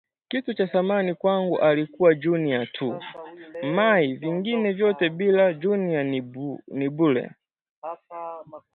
Kitu cha thamani kwangu alikuwa Junior tu, Mai! Vingine vyote bila Junior ni bure